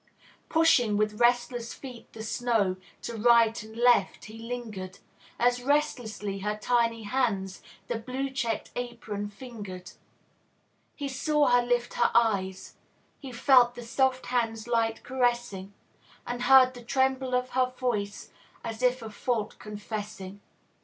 Pushing with restless feet the snow To right and left, he lingered; As restlessly her tiny hands The blue checked apron fingered. He saw her lift her eyes; he felt The soft hand's light caressing, And heard the tremble of her voice, As if a fault confessing.